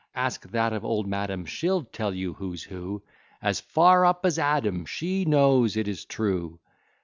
Ask that of old madam: She'll tell you who's who, As far up as Adam, She knows it is true.